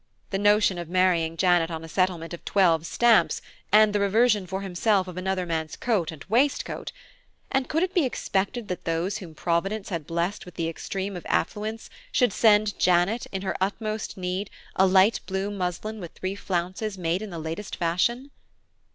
The notion of marrying Janet on a settlement of twelve stamps, and the reversion for himself of another man's coat and waistcoat! and could it be expected that those whom Providence had blessed with the extreme of affluence should send Janet, in her utmost need, a blue light muslin with three flounces made in the last fashion?